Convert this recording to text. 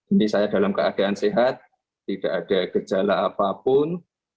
ini saya dalam keadaan sehat tidak ada gejala apapun